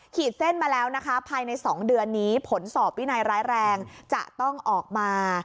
ขีดเส้นมาแล้วนะคะภายใน๒เดือนนี้ผลสอบวินัยร้ายแรงจะต้องออกมา